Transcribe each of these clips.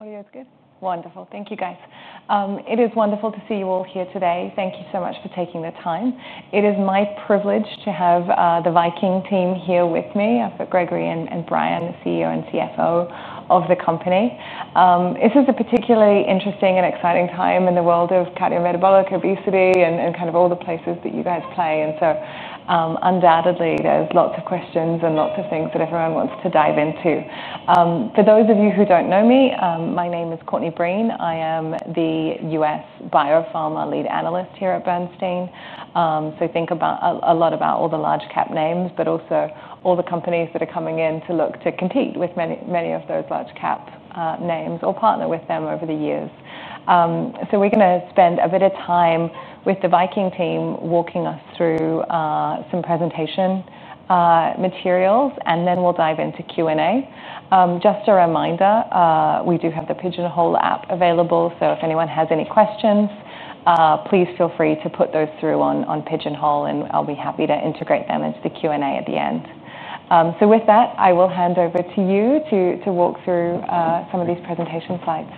Oh, you're good. Wonderful. Thank you guys. It is wonderful to see you all here today. Thank you so much for taking the time. It is my privilege to have the Viking team here with me. I've got Gregory and Brian, the CEO and CFO of the company. This is a particularly interesting and exciting time in the world of cardiometabolic obesity and kind of all the places that you guys play. Undoubtedly there's lots of questions and lots of things that everyone wants to dive into. For those of you who don't know me, my name is Courtney Breen. I am the U.S. Biopharma Lead Analyst here at Bernstein. I think about a lot about all the large cap names, but also all the companies that are coming in to look to compete with many, many of those large cap names or partner with them over the years. We're going to spend a bit of time with the Viking team walking us through some presentation materials and then we'll dive into Q&A. Just a reminder, we do have the Pigeonhole app available, so if anyone has any question, please feel free to put those through on Pigeonhole and I'll be happy to integrate them into the Q&A at the end. With that I will hand over to you to walk through some of these presentation slides.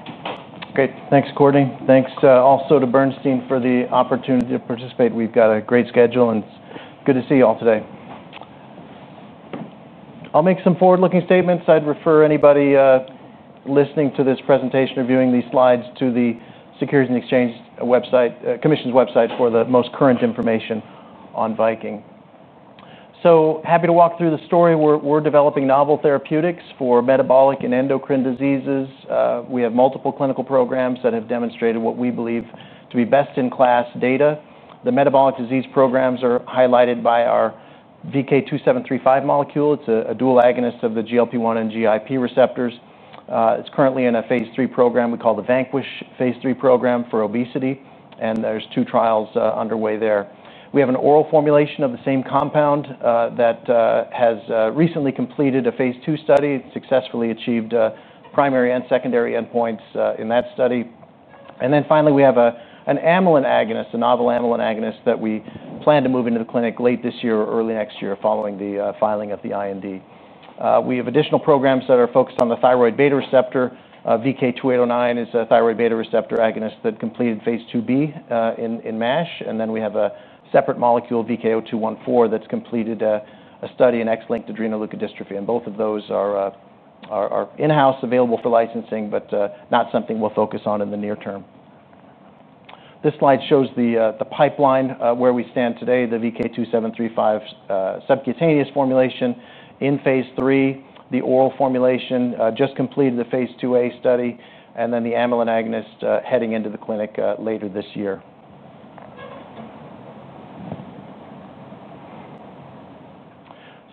Great. Thanks, Courtney. Thanks also to Bernstein for the opportunity to participate. We've got a great schedule and good to see you all today. I'll make some forward-looking statements. I'd refer anybody listening to this presentation reviewing these slides to the Securities and Exchange Commission's website for the most current information on Viking. Happy to walk through the story. We're developing novel therapeutics for metabolic and endocrine diseases. We have multiple clinical programs that have demonstrated what we believe to be best-in-class data. The metabolic disease programs are highlighted by our VK2735 molecule. It's a dual agonist of the GLP-1 and GIP receptors. It's currently in a phase III program we call the VANQUISH phase III program for obesity. There are two trials underway there. We have an oral formulation of the same compound that has recently completed a phase II study, successfully achieved primary and secondary endpoints in that study. Finally, we have an amylin agonist, a novel amylin agonist that we plan to move into the clinic late this year or early next year following the filing of the IND. We have additional programs that are focused on the thyroid beta receptor. VK2809 is a thyroid beta receptor agonist that completed phase 2b in NASH. We have a separate molecule, VK0214, that's completed a study in X-linked adrenoleukodystrophy. Both of those are in-house, available for licensing, but not something we'll focus on in the near term. This slide shows the pipeline where we stand today. The VK2735 subcutaneous formulation in phase III, the oral formulation just completed the phase IIa study, and the amylin agonist heading into the clinic later this year.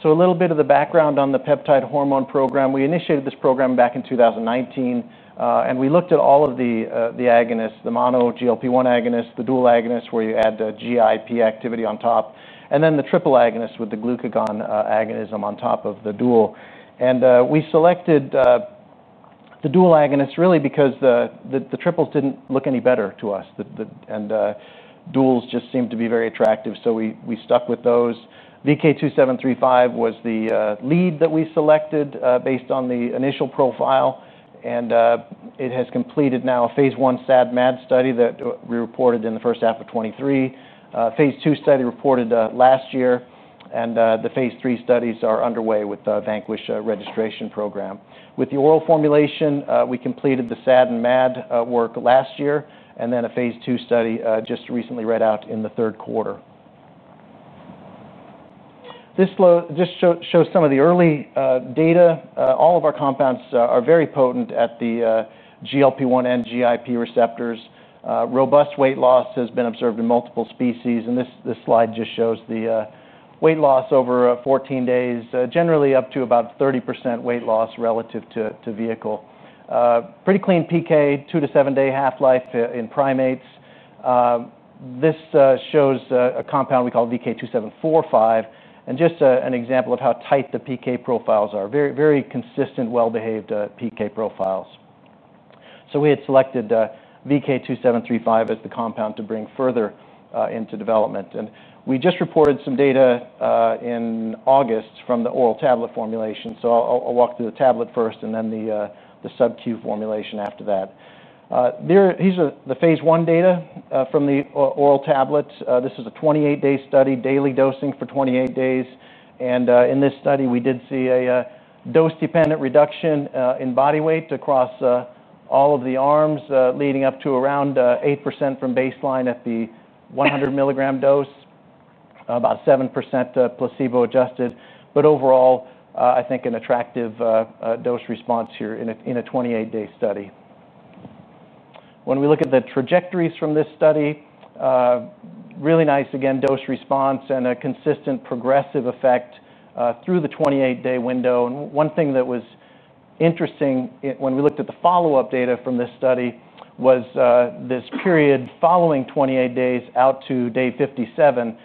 A little bit of the background on the peptide hormone program. We initiated this program back in 2019 and we looked at all of the agonists, the mono GLP-1 agonist, the dual agonist where you add GIP activity on top, and the triple agonist with the glucagon agonism on top of the dual. We selected the dual agonist really because the triples didn't look any better to us and duals just seemed to be very attractive. We stuck with those. VK2735 was the lead that we selected based on the initial profile and it has completed now a phase I SAD MAD study that we reported in 1H23. phase II study reported last year and the phase III studies are underway with VANQUISH registration program with the oral formulation. We completed the AD and MAD work last year, and then a phase II study just recently read out in the third quarter. This just shows some of the early data. All of our compounds are very potent at the GLP-1 and GIP receptors. Robust weight loss has been observed in multiple species. This slide just shows the weight loss over 14 days, generally up to about 30% weight loss relative to vehicle. Pretty clean PK, 2 to 7 day half-life in primates. This shows a compound we call VK2735, and just an example of how tight the PK profiles are. Very consistent, well-behaved PK profiles. We had selected VK2735 as the compound to bring further into development, and we just reported some data in August from the oral tablet formulation. I'll walk through the tablet first and then the subcutaneous formulation after that. These are the phase I data from the oral tablets. This is a 28-day study, daily dosing for 28 days. In this study, we did see a dose-dependent reduction in body weight across all of the arms, leading up to around 8% from baseline. At the 100 mg dose, about 7% placebo-adjusted. Overall, I think an attractive dose response here in a 28-day study. When we look at the trajectories from this study, really nice, again dose response and a consistent progressive effect through the 28-day window. One thing that was interesting when we looked at the follow-up data from this study was this period following 28 days out to day 57.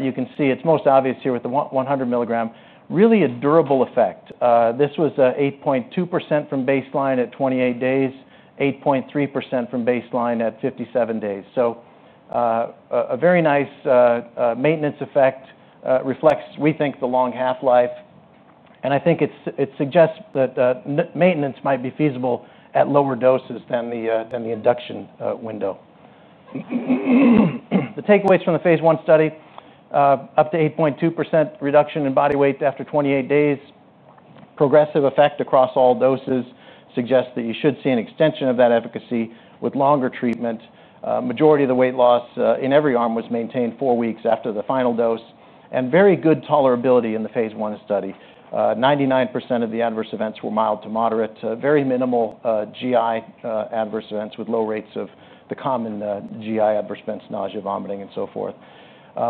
You can see it's most obvious here with the 100 mg, really a durable effect. This was 8.2% from baseline at 28 days, 8.3% from baseline at 57 days. A very nice maintenance effect reflects, we think, the long half-life, and I think it suggests that maintenance might be feasible at lower doses than the induction window. The takeaways from the phase I study: up to 8.2% reduction in body weight after 28 days, progressive effect across all doses suggests that you should see an extension of that efficacy with longer treatment. Majority of the weight loss in every arm was maintained four weeks after the final dose, and very good tolerability. In the phase I study, 99% of the adverse events were mild to moderate, very minimal GI adverse events with low rates of the common GI adverse events, nausea, vomiting, and so forth.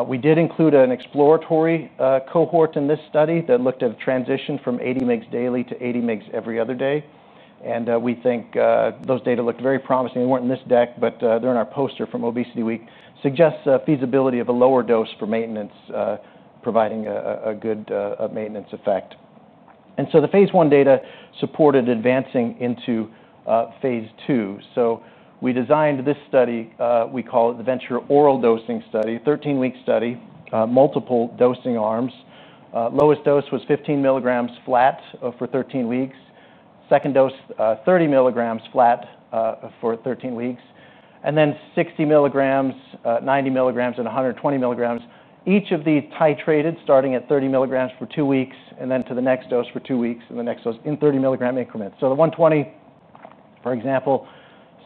We did include an exploratory cohort in this study that looked at transition from 80 mg daily to 80 mg every other day, and we think those data looked very promising. They weren't in this deck, but they're in our poster from Obesity Week. Suggests feasibility of a lower dose for maintenance, providing a good maintenance effect. The phase I data supported advancing into phase two. We designed this study, we call it the VENTURE Oral dosing study. Thirteen-week study, multiple dosing arms. Lowest dose was 15 mg flat for 13 weeks, second dose, 30 mg flat for 13 weeks, and then 60 mg, 90 mg, and 120 mg. Each of these titrated starting at 30 mg for two weeks, then to the next dose for two weeks, and the next dose in 30 mg increments. The 120 mg, for example,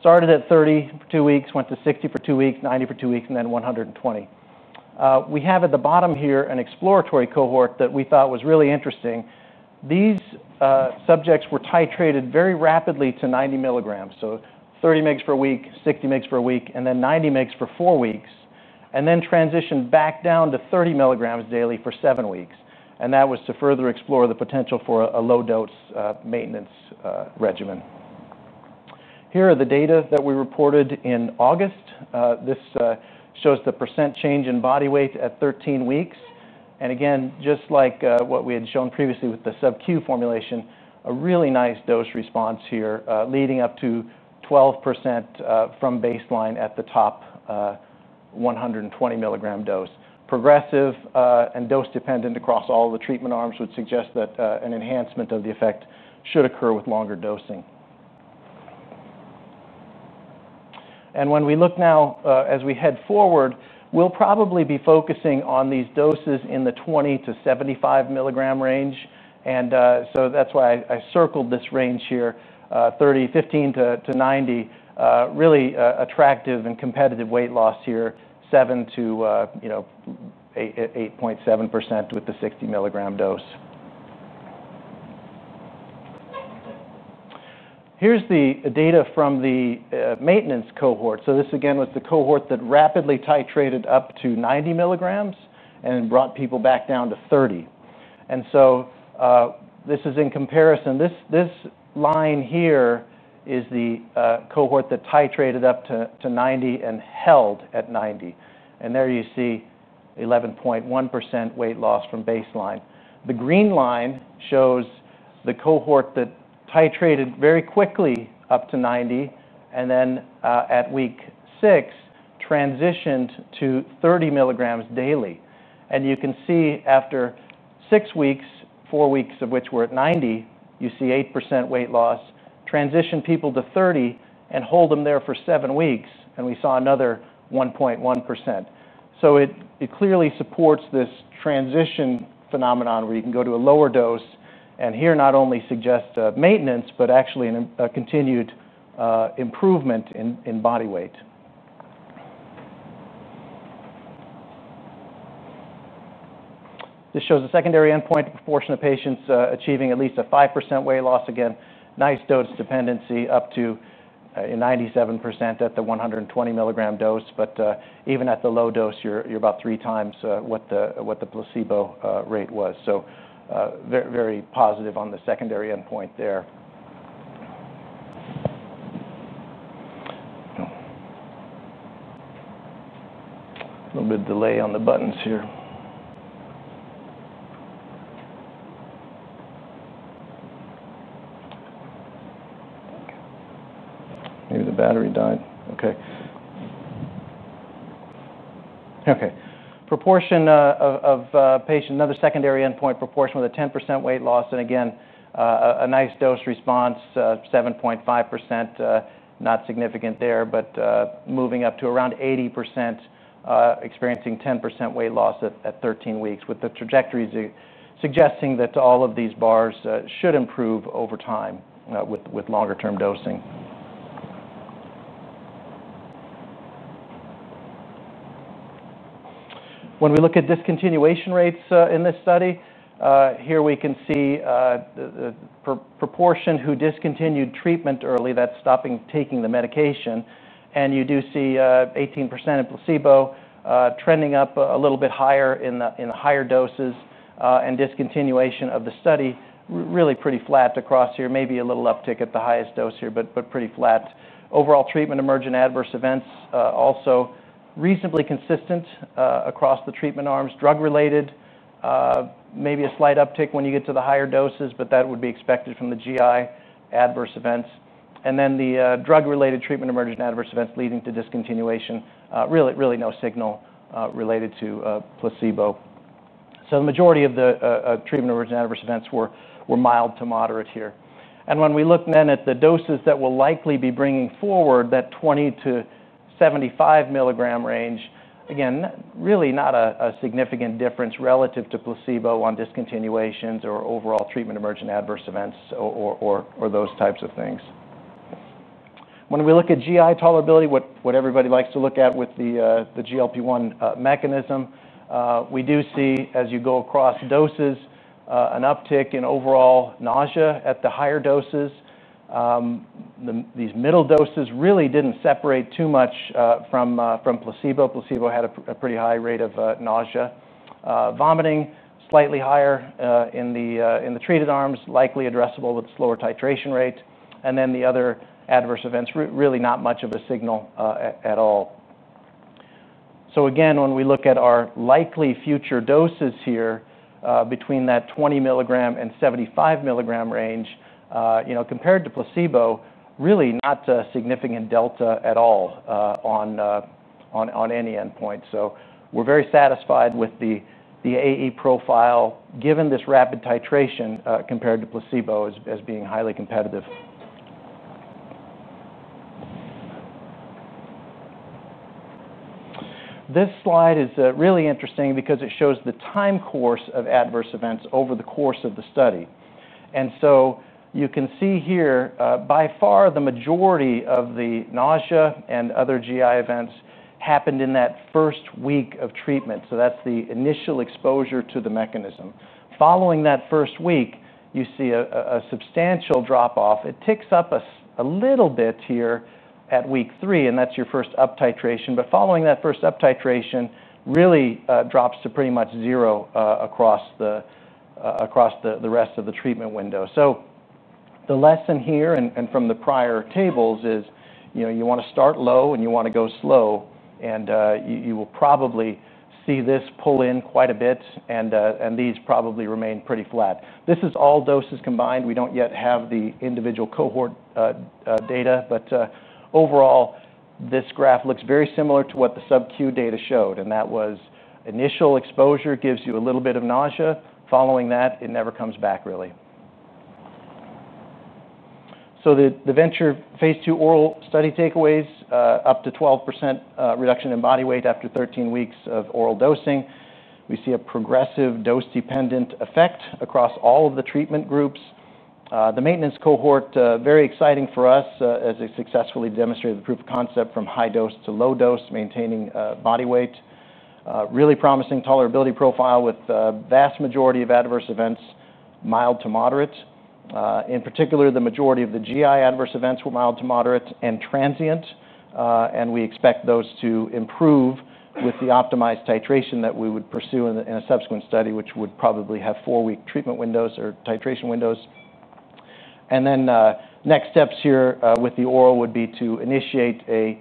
started at 30 mg for two weeks, went to 60 mg for two weeks, 90 mg for two weeks, and then 120 mg. At the bottom here is an exploratory cohort that we thought was really interesting. These subjects were titrated very rapidly to 90 mg, so 30 mg per week, 60 mg per week, and then 90 mg for four weeks, then transitioned back down to 30 mg daily for seven weeks. That was to further explore the potential for a low dose maintenance regimen. Here are the data that we reported in August. This shows the % change in body weight at 13 weeks. Just like what we had shown previously with the subcutaneous formulation, a really nice dose response here leading up to 12% from baseline. At the top 120 mg dose, progressive and dose dependent across all the treatment arms would suggest that an enhancement of the effect should occur with longer dosing. As we look now, as we head forward, we'll probably be focusing on these doses in the 20 mg to 75 mg range. That's why I circled this range here, 30, 15 to 90, really attractive and competitive weight loss here, 7% to 8.7% with the 60 mg dose. Here's the data from the maintenance cohort. This again was the cohort that rapidly titrated up to 90 mg and brought people back down to 30. In comparison, this line here is the cohort that titrated up to 90 and held at 90. There you see 11.1% weight loss from baseline. The green line shows the cohort that titrated very quickly up to 90 and then at week six transitioned to 30 mg daily. After six weeks, four weeks of which were at 90, you see 8% weight loss, transition people to 30 and hold them there for seven weeks. We saw another 1.1%. It clearly supports this transition phenomenon where you can go to a lower dose. Here, not only suggest maintenance, but actually a continued improvement in body weight. This shows the secondary endpoint, proportion of patients achieving at least a 5% weight loss. Again, nice dose dependency up to 97% at the 120 mg dose. Even at the low dose, you're about three times what the placebo rate was. Very positive on the secondary endpoint there. A little bit delay on the buttons here. Maybe the battery died. Okay, okay. Proportion of patient, another secondary endpoint, proportion with a 10% weight loss. Again, a nice dose response, 7.5%, not significant there, but moving up to around 80%, experiencing 10% weight loss at 13 weeks, with the trajectories suggesting that all of these bars should improve over time with longer term dosing. When we look at discontinuation rates in this study here, we can see proportion who discontinued treatment early, that's stopping taking the medication, and you do see 18% in placebo trending up a little bit higher in higher doses. Discontinuation of the study really pretty flat across here, maybe a little uptick at the highest dose here, but pretty flat overall. Treatment emergent adverse events also reasonably consistent across the treatment arms. Drug related, maybe a slight uptick when you get to the higher doses, but that would be expected from the GI adverse events, and then the drug related treatment emergent adverse events leading to discontinuation, really no signal related to placebo. The majority of the treatment emergent adverse events were mild to moderate here. When we look then at the doses that will likely be bringing forward, that 20 mg - 75 mg range, again really not a significant difference relative to placebo on discontinuations or overall treatment emergent adverse events or those types of things. When we look at GI tolerability, what everybody likes to look at with the GLP-1 mechanism, we do see as you go across doses, an uptick in overall nausea at the higher doses. These middle doses really didn't separate too much from placebo. Placebo had a pretty high rate of nausea, vomiting slightly higher in the treated arms, likely addressable with slower titration rate. The other adverse events really not much of a signal at all. Again, when we look at our likely future doses here, between that 20 mg and 75 mg range, compared to placebo, really not significant delta at all on any endpoint. We're very satisfied with the AE profile given this rapid titration compared to placebo as being highly competitive. This slide is really interesting because it shows the time course of adverse events over the course of the study. You can see here, by far the majority of the nausea and other GI events happened in that first week of treatment. That's the initial exposure to the mechanism. Following that first week you see a substantial drop off. It ticks up a little bit here at week three and that's your first up titration. Following that first up titration it really drops to pretty much zero across the rest of the treatment window. The lesson here and from the prior tables is, you know, you want to start low and you want to go slow and you will probably see this pull in quite a bit and these probably remain pretty flat. This is all doses combined. We don't yet have the individual cohort data but overall this graph looks very similar to what the subcutaneous data showed. That was initial exposure gives you a little bit of nausea, following that, it never comes back really. The VENTURE phase II oral study takeaways: up to 12% reduction in body weight after 13 weeks of oral dosing. We see a progressive dose dependent effect across all of the treatment groups. The maintenance cohort, very exciting for us as they successfully demonstrated the proof of concept from high dose to low dose, maintaining body weight. Really promising tolerability profile with the vast majority of adverse events mild to moderate. In particular, the majority of the GI adverse events were mild to moderate and transient. We expect those to improve with the optimized titration that we would pursue in a subsequent study which would probably have four week treatment windows or titration windows. Next steps here with the oral would be to initiate a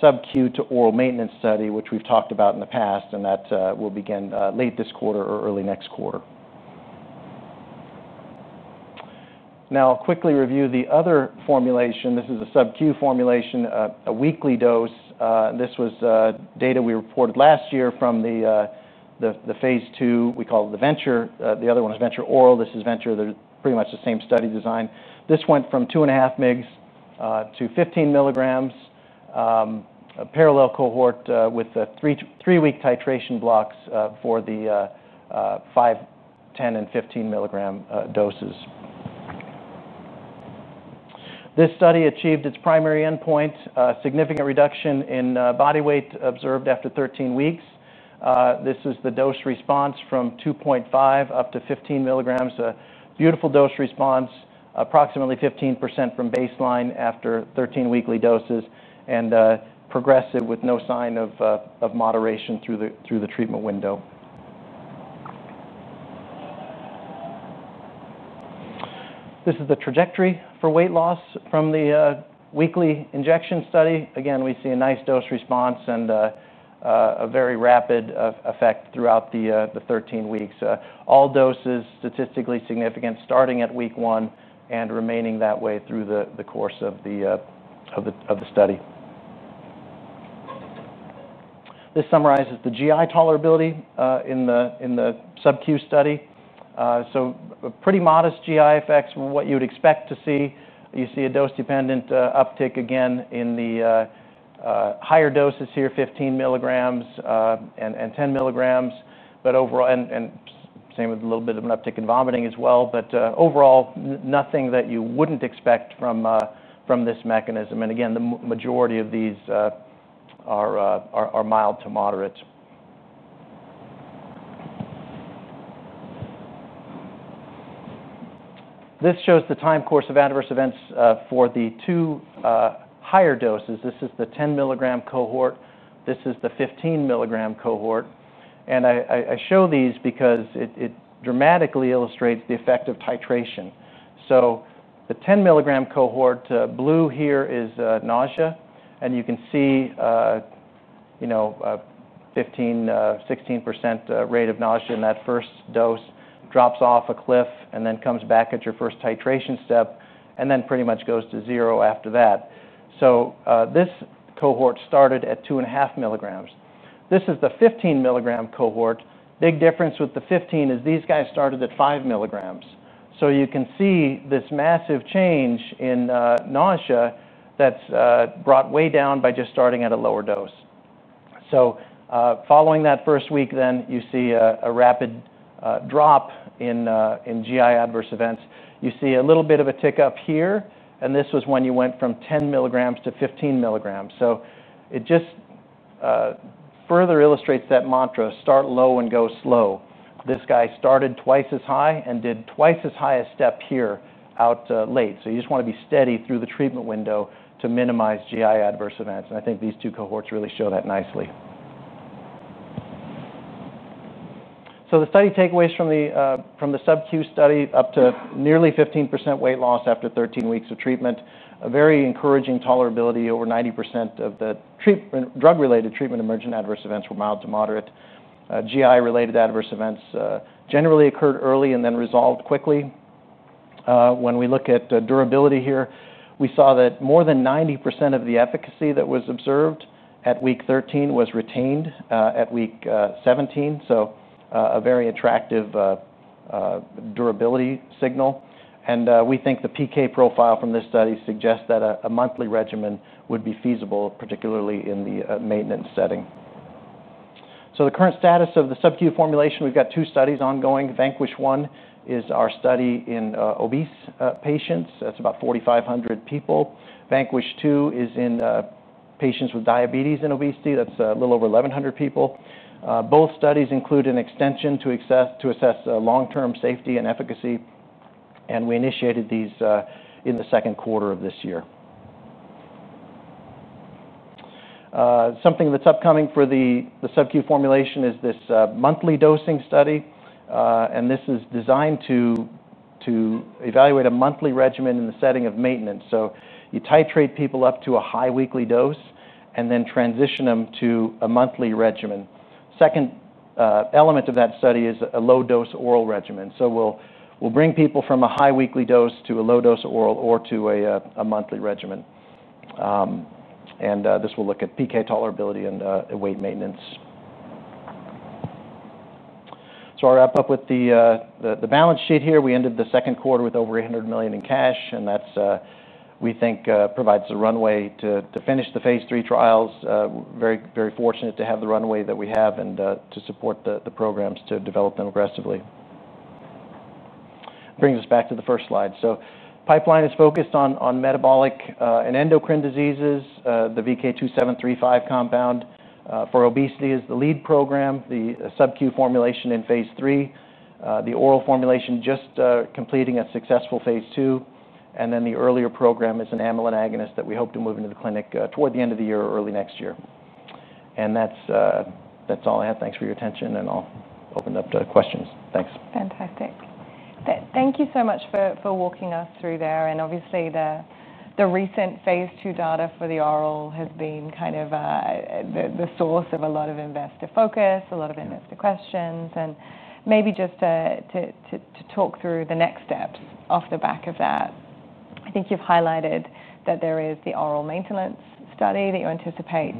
subcutaneous to oral maintenance study which we've talked about in the past and that will begin late this quarter or early next quarter. Now I'll quickly review the other formulation. This is a subcutaneous formulation, a weekly dose. This was data we reported last year from the phase II we call the VENTURE. The other one is VENTURE oral. This is VENTURE. They're pretty much the same study design. This went from 2.5 mg - 15 mg. A parallel cohort with three week titration blocks for the 5 mg, 10 mg, and 15 mg doses. This study achieved its primary endpoint. Significant reduction in body weight observed after 13 weeks. This is the dose response from 2.5 up to 15 mgs. A beautiful dose response, approximately 15% from baseline after 13 weekly doses and progressive with no sign of moderation through the treatment window. This is the trajectory for weight loss from the weekly injection study. Again, we see a nice dose response and a very rapid effect throughout the 13 weeks. All doses statistically significant starting at week one and remaining that way through the course of the study. This summarizes the GI tolerability in the subcutaneous study. Pretty modest GI effects, what you would expect to see. You see a dose-dependent uptick again in the higher doses here, 15 mg and 10 mg. Overall, same with a little bit of an uptick in vomiting as well. Overall, nothing that you wouldn't expect from this mechanism. The majority of these are mild to moderate. This shows the time course of adverse events for the two higher doses. This is the 10 mg cohort. This is the 15 mg cohort. I show these because it dramatically illustrates the effect of titration. The 10 mg cohort, blue here, is nausea. You can see, 15%, 16% rate of nausea in that first dose drops off a cliff and then comes back at your first titration step and then pretty much goes to zero after that. This cohort started at 2.5 mgs. This is the 15 mg cohort. Big difference with the 15 mg is these guys started at 5 mgs. You can see this massive change in nausea that's brought way down by just starting at a lower dose. Following that first week, you see a rapid drop in GI adverse events. You see a little bit of a tick up here, and this was when you went from 10 mgs to 15 mgs. It just further illustrates that mantra, start low and go slow. This group started twice as high and did twice as high a step here out late. You just want to be steady through the treatment window to minimize GI adverse events. I think these two cohorts really show that nicely. The study takeaways from the subcutaneous study: up to nearly 15% weight loss after 13 weeks of treatment, very encouraging tolerability. Over 90% of the drug-related treatment emergent adverse events were mild to moderate. GI-related adverse events generally occurred early and then resolved quickly. When we look at durability here, we saw that more than 90% of the efficacy that was observed at week 13 was retained at week 17. A very attractive durability signal. We think the PK profile from this study suggests that a monthly regimen would be feasible, particularly in the maintenance setting. The current status of the subcutaneous formulation is that we've got two studies ongoing. VANQUISH one is our study in obese patients. That's about 4,500 people. VANQUISH two is in patients with diabetes and obesity. That's a little over 1,100 people. Both studies include an extension to assess long-term safety and efficacy. We initiated these in the second quarter of this year. Something that's upcoming for the subcutaneous formulation is this monthly dosing study. This is designed to evaluate a monthly regimen in the setting of maintenance. You titrate people up to a high weekly dose and then transition them to a monthly regimen. The second element of that study is a low-dose oral regimen. We'll bring people from a high weekly dose to a low-dose oral or to a monthly regimen. This will look at PK, tolerability, and weight maintenance. I'll wrap up with the balance sheet here. We ended the second quarter with over $800 million in cash. We think that provides the runway to finish the phase III trials. Very fortunate to have the runway that we have and to support the programs, to develop them aggressively. This brings us back to the first slide. The pipeline is focused on metabolic and endocrine diseases. VK2735 compound for obesity is the lead program. The subcutaneous formulation is in phase III, the oral formulation just completing a successful phase II. The earlier program is an amylin agonist that we hope to move into the clinic toward the end of the year or early next year. That's all I have. Thanks for your attention and I'll open up to questions. Thanks. Fantastic. Thank you so much for walking us through there. Obviously, the recent phase II data for the oral has been kind of a source of a lot of investor focus, a lot of investor questions, and maybe just to talk through the next steps. Off the back of that, I think you've highlighted that there is the oral maintenance study that you anticipate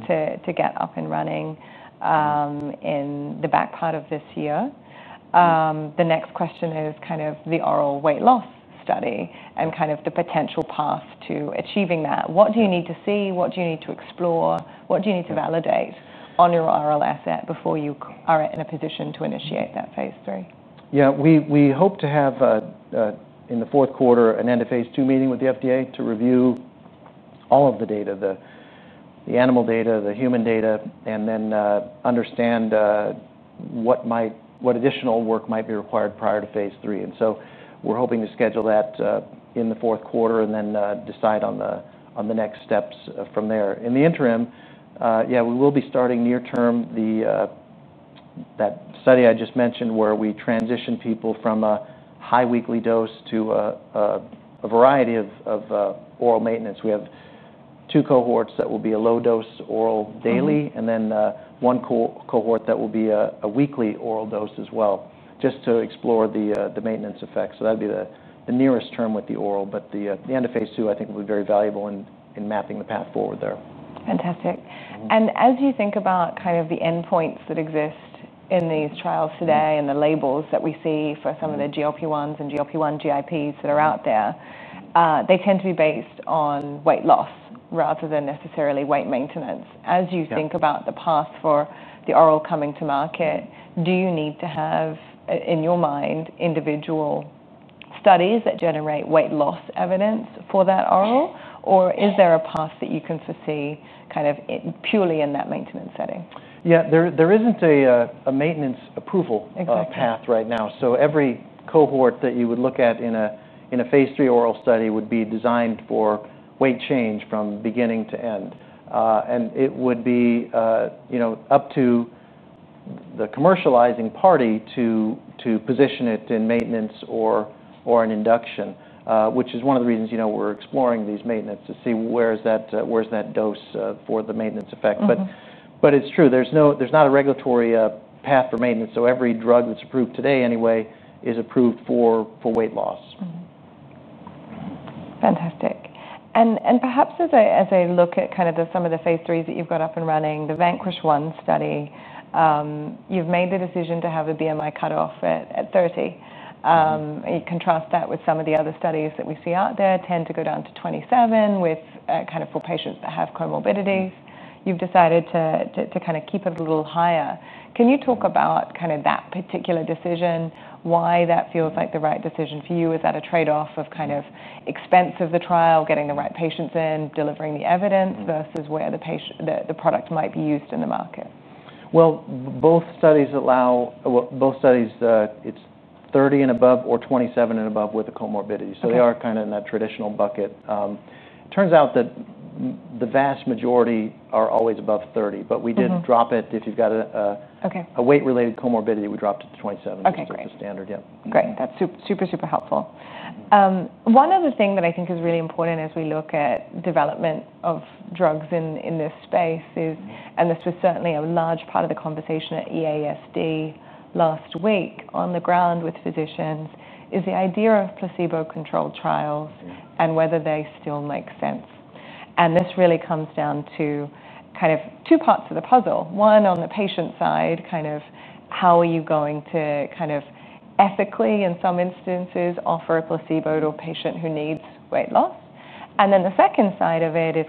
to get up and running in the back part of this year. The next question is kind of the oral weight loss study and the potential path to achieving that. What do you need to see? What do you need to explore? What do you need to validate on your oral asset before you are in a position to initiate that phase III? Yeah, we hope to have in the fourth quarter an end-of-phase II FDA meeting to review all of the data, the animal data, the human data, and then understand what additional work might be required prior to phase III. We're hoping to schedule that in the fourth quarter and then decide on the next steps from there. In the interim, we will be starting near term that study I just mentioned, where we transition people from a high weekly dose to a variety of oral maintenance. We have two cohorts that will be a low dose oral daily, and then one cohort that will be a weekly oral dose as well, just to explore the maintenance effects. That would be the nearest term with the oral. The end-of-phase II, I think, will be very valuable in mapping the path forward there. Fantastic. As you think about the endpoints that exist in these trials today and the labels that we see for some of the GLP-1s and GLP-1/GIPs that are out there, they tend to be based on weight loss rather than necessarily weight maintenance. As you think about the path for the oral coming to market, do you need to have in your mind individual studies that generate weight loss evidence for that oral, or is there a path that you can foresee purely in that maintenance setting? There isn't a maintenance approval path right now. Every cohort that you would look at in a phase III oral study would be designed for weight change from beginning to end, and it would be up to the commercializing party to position it in maintenance or an induction, which is one of the reasons we're exploring these maintenance to see where's that dose for the maintenance effect. It's true there's not a regulatory path for maintenance. Every drug that's approved today anyway is approved for weight loss. Fantastic. As I look at some of the phase IIIs that you've got up and running, the VANQUISH-1 study, you've made the decision to have a BMI cutoff at 30. You contrast that with some of the other studies that we see out there, which tend to go down to 27 for patients that have comorbidities. You've decided to keep it a little higher. Can you talk about that particular decision, why that feels like the right decision for you? Is that a trade-off of expense of the trial, getting the right patients in, delivering the evidence versus where the product might be used in the market? Both studies allow. It's 30 and above or 27 and above with a comorbidity. They are kind of in that traditional bucket. Turns out that the vast majority are always above 30. We did drop it if you've got a weight related comorbidity. We dropped it to 27 standard. Yep, great. That's super, super helpful. One other thing that I think is really important as we look at development of drugs in this space is, and this was certainly a large part of the conversation at EASD last week on the ground with physicians, the idea of placebo-controlled trials and whether they still make sense. This really comes down to two parts of the puzzle. One, on the patient side, how are you going to ethically, in some instances, offer a placebo to a patient who needs weight loss? The second side of it is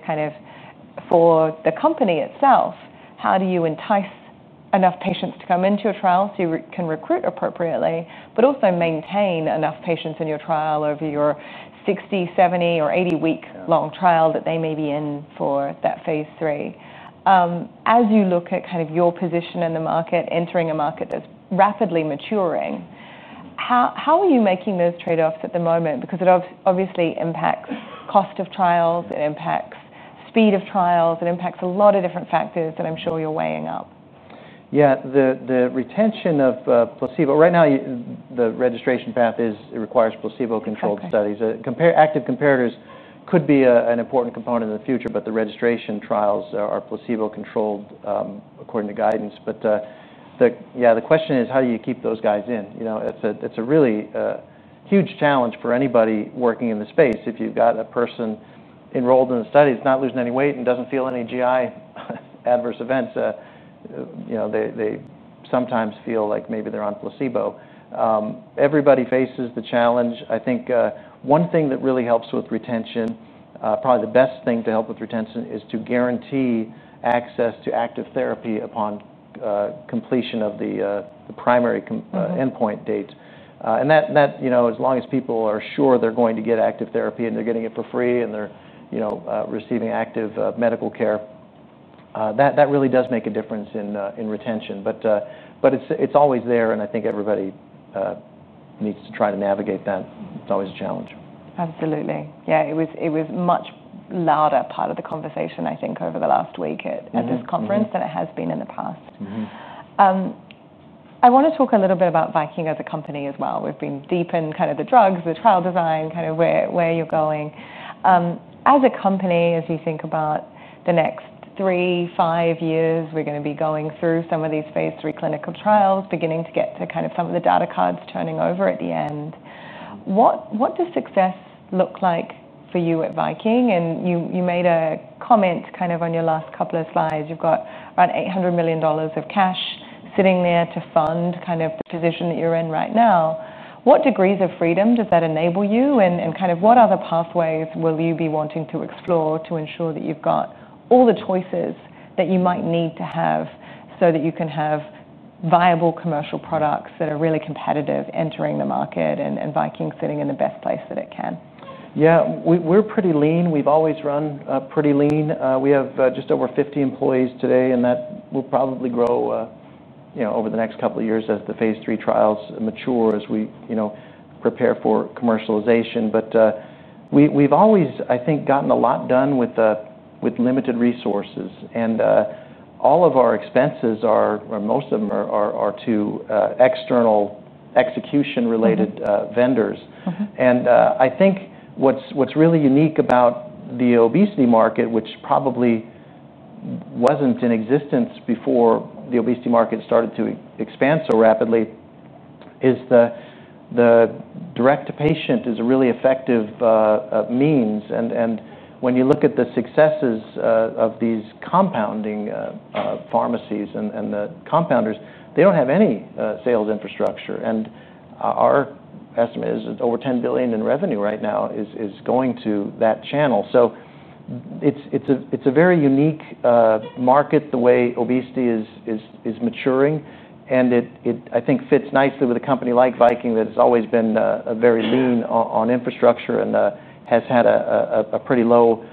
for the company itself. How do you entice enough patients to come into your trial so you can recruit appropriately but also maintain enough patients in your trial over your 60, 70, or 80 week long trial that they may be in for that phase III? As you look at your position in the market, entering a market that's rapidly maturing, how are you making those trade-offs at the moment? It obviously impacts cost of trials, it impacts speed of trials, it impacts a lot of different factors that I'm sure you're weighing up. Yeah, the retention of placebo. Right now, the registration path is, it requires placebo-controlled studies. Active comparators could be an important component in the future. The registration trials are placebo-controlled according to guidance. The question is, how do you keep those guys in? It's a really huge challenge for anybody working in the space. If you've got a person enrolled in the study that's not losing any weight and doesn't feel any GI adverse events, they sometimes feel like maybe they're on placebo. Everybody faces the challenge. I think one thing that really helps with retention, probably the best thing to help with retention, is to guarantee access to active therapy upon completion of the primary endpoint date. As long as people are sure they're going to get active therapy and they're getting it for free and they're receiving active medical care, that really does make a difference in retention. It's always there and I think everybody needs to try to navigate that. It's always a challenge. Absolutely. Yeah. It was a much louder part of the conversation, I think, over the last week at this conference than it has been in the past. I want to talk a little bit about Viking as a company as well. We've been deep in kind of the drugs, the trial design, kind of where you're going as a company. As you think about the next three, five years, we're going to be going through some of these phase III clinical trials, beginning to get to kind of some of the data cards turning over at the end. What does success look like for you at Viking? You made a comment kind of on your last couple of slides. You've got around $800 million of cash sitting there to fund kind of the position that you're in right now. What degrees of freedom does that enable you and what other pathways will you be wanting to explore to ensure that you've got all the choices that you might need to have so that you can have viable commercial products that are really competitive, entering the market and Viking sitting in the best place that it can? Yeah, we're pretty lean. We've always run pretty lean. We have just over 50 employees today and that will probably grow over the next couple of years as the phase III trials mature as we prepare for commercialization, but we've always, I think, gotten a lot done with limited resources and all of our expenses are, most of them are to external execution-related vendors. I think what's really unique about the obesity market, which probably wasn't in existence before the obesity market started to expand so rapidly, is the direct-to-patient is a really effective means. When you look at the successes of these combinations, compounding pharmacies and the compounders, they don't have any sales infrastructure. Our estimate is over $10 billion in revenue right now is going to that channel. It's a very unique market the way obesity is maturing. It, I think, fits nicely with a company like Viking that has always been very lean on infrastructure and has had a pretty low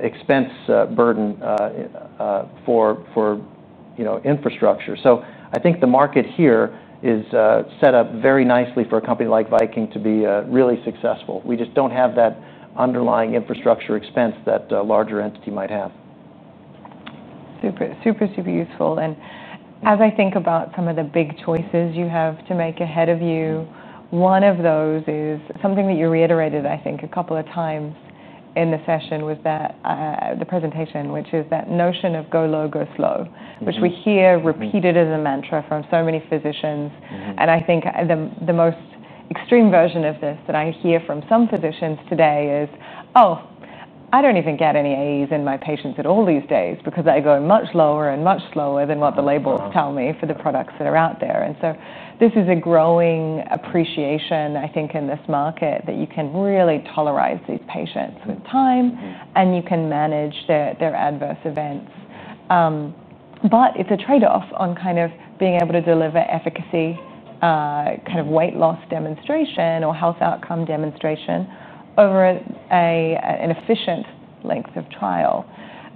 expense burden for infrastructure. I think the market here is set up very nicely for a company like Viking to be really successful. We just don't have that underlying infrastructure expense that a larger entity might have. Super, super useful. As I think about some of the big choices you have to make ahead of you, one of those is something that you reiterated I think a couple of times in the session, which is that notion of go low, go slow, which we hear repeated as a mantra from so many physicians. I think the most extreme version of this that I hear from some physicians today is, oh, I don't even get any AEs in my patients at all these days because they go much lower and much slower than what the labels tell me for the products that are out there. This is a growing appreciation, I think in this market, that you can really tolerate these patients with time and you can manage their adverse events. It's a trade off on kind of being able to deliver efficacy, kind of weight loss demonstration or health outcome demonstration over an efficient length of trial.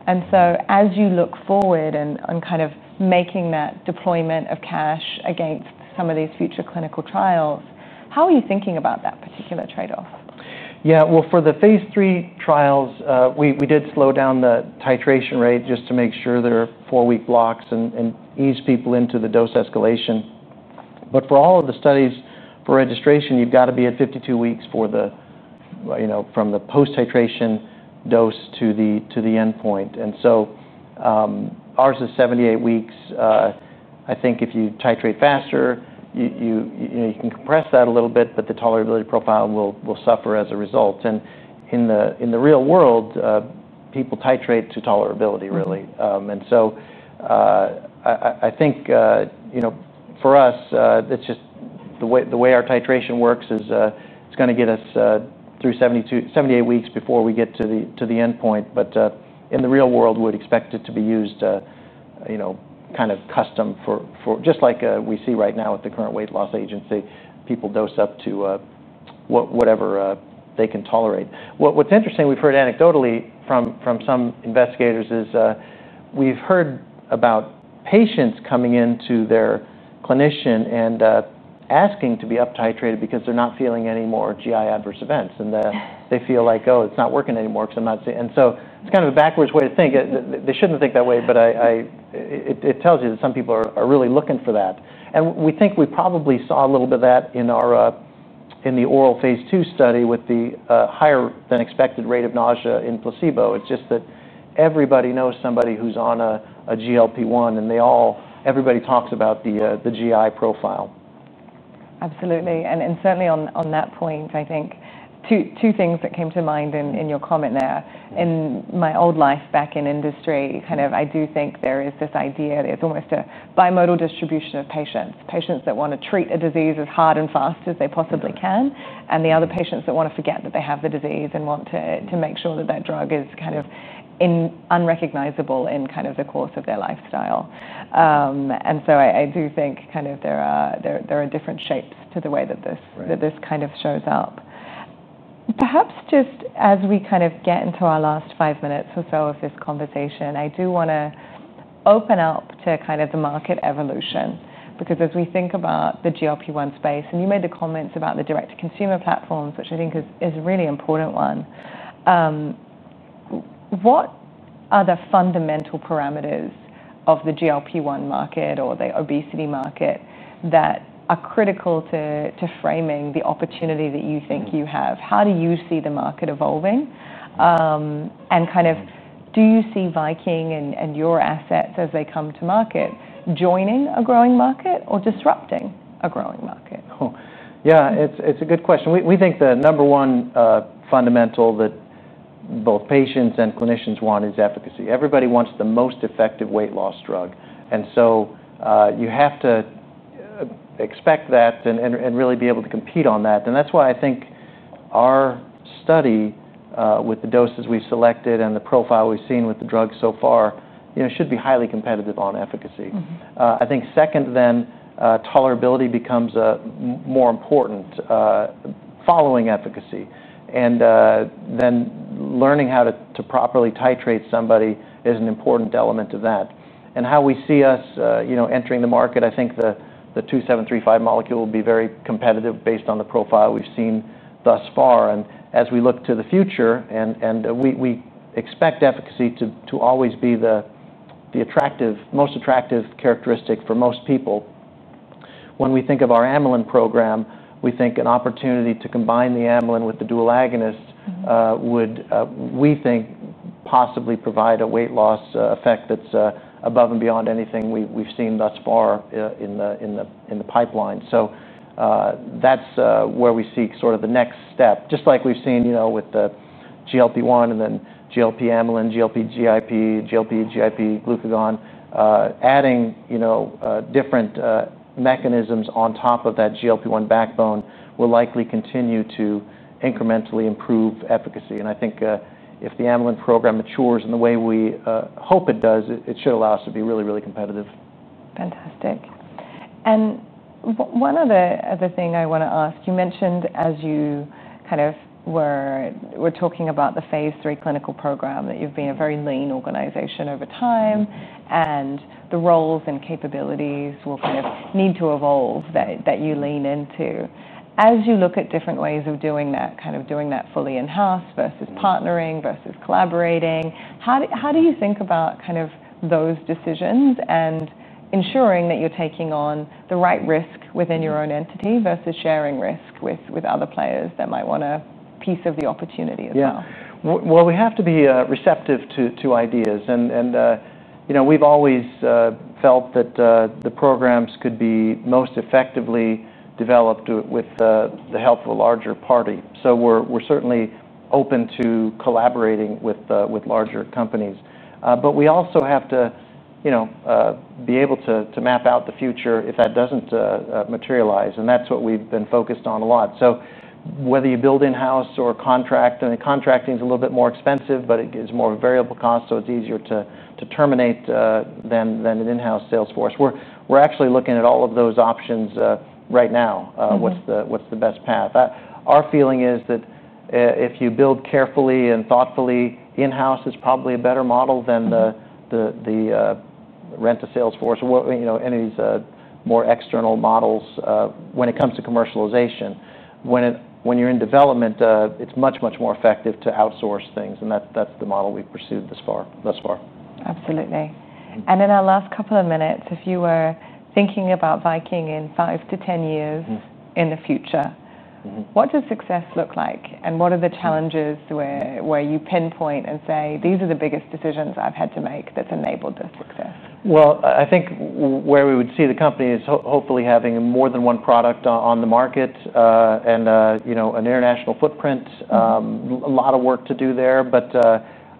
As you look forward and kind of making that deployment of cash against some of these future clinical trials, how are you thinking about that particular trade off? For the phase III trials, we did slow down the titration rate just to make sure there are four-week blocks and ease people into the dose escalation. For all of the studies for registration, you've got to be at 52 weeks from the post-titration dose to the endpoint. Ours is 78 weeks. I think if you titrate faster, you can compress that a little bit, but the tolerability profile will suffer as a result. In the real world, people titrate to tolerability, really. I think for us, that's just the way our titration works; it's going to get us through 78 weeks before we get to the endpoint. In the real world, we'd expect it to be used kind of custom, just like we see right now at the current weight loss agency. People dose up to whatever they can tolerate. What's interesting we've heard anecdotally from some investigators is we've heard about patients coming into their clinician and asking to be up-titrated because they're not feeling any more GI adverse events, and they feel like, oh, it's not working anymore because I'm not seeing. It's kind of a backwards way to think; they shouldn't think that way. It tells you that some people are really looking for that. We think we probably saw a little bit of that in the oral phase II study with the higher than expected rate of nausea in placebo. It's just that everybody knows somebody who's on a GLP-1, and they all, everybody talks about the GI profile. Absolutely. Certainly on that point, I think two things that came to mind in your comment there. In my old life back in industry, I do think there is this idea, it's almost a bimodal distribution of patients, patients that want to treat a disease as hard and fast as they possibly can and the other patients that want to forget that they have the disease and want to make sure that that drug is kind of unrecognizable in the course of their lifestyle. I do think there are different shapes to the way that this shows up. Perhaps just as we get into our last five minutes or so of this conversation, I do want to open up to the market evolution because as we think about the GLP-1 space, and you made the comments about the direct-to-patient platforms, which I think is a really important one, what are the fundamental parameters of the GLP-1 market or the obesity market that are critical to framing the opportunity that you think you have? How do you see the market evolving and do you see Viking and your assets as they come to market, joining a growing market or disrupting a growing market? Yeah, it's a good question. We think the number one fundamental that both patients and clinicians want is efficacy. Everybody wants the most effective weight loss drug. You have to expect that and really be able to compete on that. That's why I think our study with the doses we selected and the profile we've seen with the drugs so far should be highly competitive on efficacy. I think second, tolerability becomes more important. Following efficacy and then learning how to properly titrate somebody is an important element of that and how we see us entering the market. I think the VK2735 molecule will be very competitive based on the profile we've seen thus far. As we look to the future, we expect efficacy to always be the most attractive characteristic for most people. When we think of our amylin program, we think an opportunity to combine the amylin with the dual agonist would, we think, possibly provide a weight loss effect that's above and beyond anything we've seen thus far in the pipeline. That's where we seek sort of the next step. Just like we've seen with the GLP-1 and then GLP, amylin, GLP, GIP, GLP, GIP, glucagon, adding different mechanisms on top of that GLP-1 backbone will likely continue to incrementally improve efficacy. I think if the amylin program matures in the way we hope it does, it should allow us to be really, really competitive. Fantastic. One other thing I want to ask, you mentioned as you were talking about the phase III clinical program that you've been a very lean organization over time and the roles and capabilities will need to evolve that you lean into. As you look at different ways of doing that, doing that fully in house versus partnering versus collaborating, how do you think about those decisions and ensuring that you're taking on the right risk within your own entity versus sharing risk with other players that might want a piece of the opportunity as well. We have to be receptive to ideas, and we've always felt that the programs could be most effectively developed with the help of a larger party. We're certainly open to collaborating with larger companies, but we also have to be able to map out the future if that doesn't materialize. That's what we've been focused on a lot. Whether you build in house or contract, contracting is a little bit more expensive, but it gives more variable cost, so it's easier to terminate than an in house salesforce. We're actually looking at all of those options right now. What's the best path? Our feeling is that if you build carefully and thoughtfully, in house is probably a better model than the rent to salesforce. Any of these more external models, when it comes to commercialization, when you're in development, it's much, much more effective to outsource things. That's the model we've pursued thus far. Absolutely. In our last couple of minutes, if you were thinking about Viking in five to 10 years in the future, what does success look like, and what are the challenges where you pinpoint and say these are the biggest decisions I've had to make that's enabled the success? I think where we would see the company is hopefully having more than one product on the market and, you know, an international footprint, a lot of work to do there.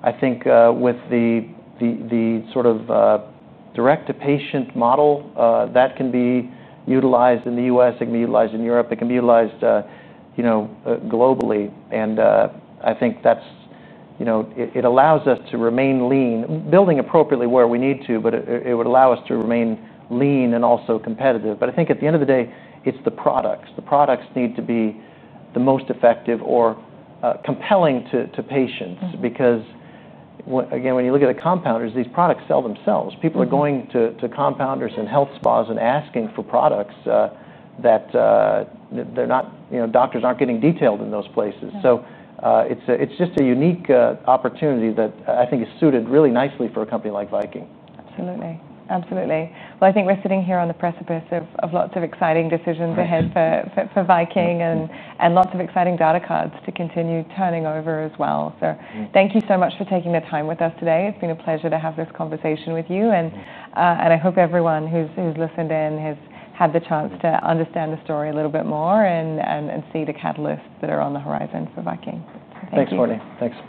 I think with the sort of direct-to-patient model that can be utilized in the U.S., it can be utilized in Europe, it can be utilized, you know, globally. I think that's, you know, it allows us to remain lean, building appropriately where we need to, but it would allow us to remain lean and also competitive. I think at the end of the day, it's the products. The products need to be the most effective or compelling to patients, because again, when you look at the compounders, these products sell themselves. People are going to compounders and health spas and asking for products that they're not, you know, doctors aren't getting detailed in those places. It's just a unique opportunity that I think is suited really nicely for a company like Viking. Absolutely. Absolutely. I think we're sitting here on the precipice of lots of exciting decisions ahead for Viking and lots of exciting data cards to continue turning over as well. Thank you so much for taking the time with us today. It's been a pleasure to have this conversation with you, and I hope everyone who's listened in has had the chance to understand the story a little bit more and see the catalysts that are on the horizon for Viking. Thanks, Courtney. Thanks.